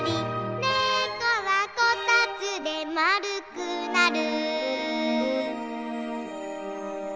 「ねこはこたつでまるくなる」